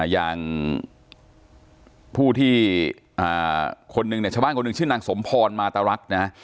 อย่างชาวบ้านคนหนึ่งชื่อนางสมพรมาตรรัก